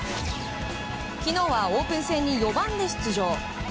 昨日はオープン戦に４番で出場。